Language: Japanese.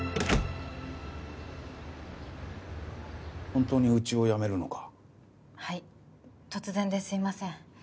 本当にうちを辞めるのかはい突然ですいません